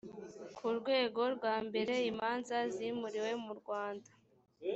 ku rwego rwa mbere imanza zimuriwe mu rwanda